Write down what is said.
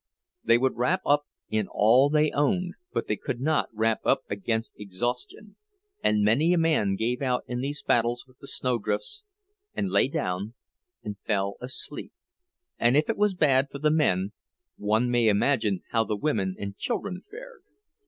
They would wrap up in all they owned, but they could not wrap up against exhaustion; and many a man gave out in these battles with the snowdrifts, and lay down and fell asleep. And if it was bad for the men, one may imagine how the women and children fared.